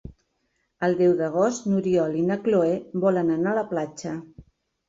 El deu d'agost n'Oriol i na Cloè volen anar a la platja.